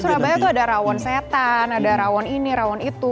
surabaya itu ada rawon setan ada rawon ini rawon itu